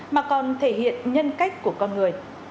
mà còn thể hiện nhân cách của con người